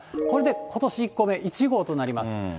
これでことし１個目、１号となります。